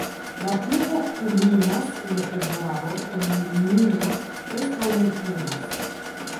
La pluvo kulminas en februaro, en junio preskaŭ ne pluvas.